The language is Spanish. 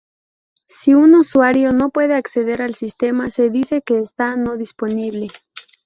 Si un usuario no puede acceder al sistema se dice que está no disponible.